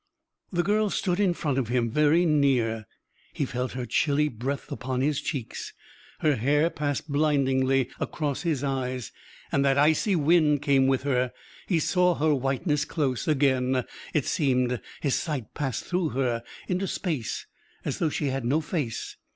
The girl stood in front of him, very near; he felt her chilly breath upon his cheeks; her hair passed blindingly across his eyes; and that icy wind came with her. He saw her whiteness close; again, it seemed, his sight passed through her into space as though she had no face.